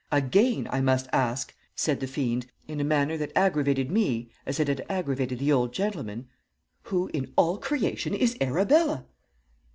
"'Again, I must ask,' said the fiend, in a manner that aggravated me as it had aggravated the old gentleman, 'who, in all creation, is Arabella?'